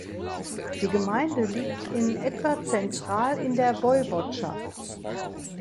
Die Gemeinde liegt in etwa zentral in der Woiwodschaft.